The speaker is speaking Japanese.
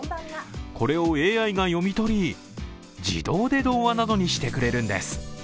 これをＡＩが読み取り、自動で童話などにしてくれるんです。